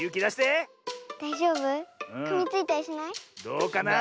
どうかな？